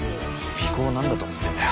尾行を何だと思ってんだよ。